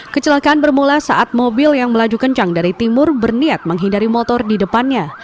kecelakaan bermula saat mobil yang melaju kencang dari timur berniat menghindari motor di depannya